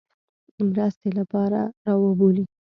مرستې لپاره را وبولي.